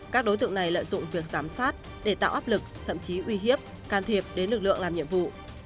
các đối tượng này lợi dụng việc giám sát để tạo áp lực thậm chí uy hiếp can thiệp đến lực lượng làm nhiệm vụ